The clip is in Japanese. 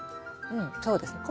うんそうですね。